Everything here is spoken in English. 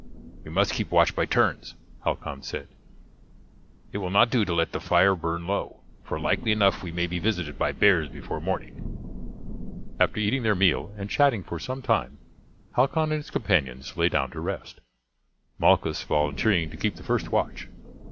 "We must keep watch by turns," Halcon said; "it will not do to let the fire burn low, for likely enough we may be visited by bears before morning." After eating their meal and chatting for some time, Halcon and his companions lay down to rest, Malchus volunteering to keep the first watch.